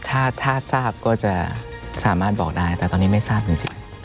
ถ้าถ้าทราบก็จะสามารถบอกได้แต่ตอนนี้ไม่ทราบจริง